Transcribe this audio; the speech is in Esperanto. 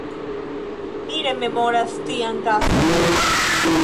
Mi rememoras tian kazon.